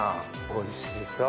おいしそう！